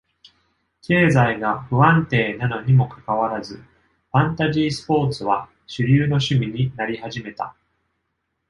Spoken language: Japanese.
経済が不安定なのにもかかわらず、ファンタジースポーツは主流の趣味になり始めた。